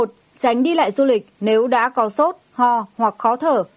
tránh đi lại du lịch nếu đã có sốt ho hoặc khó thở